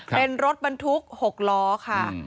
เป็นรถบรรทุก๖ล้อค่ะ